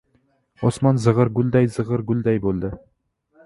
Osmon zig‘ir gulday-zig‘ir gulday bo‘ldi.